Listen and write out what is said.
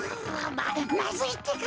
ままずいってか。